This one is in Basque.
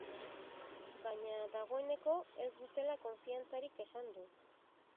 Baina, dagoeneko ez dutela konfiantzarik esan du.